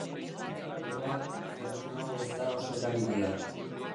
Oro har, termino hau ez da oso erabilia.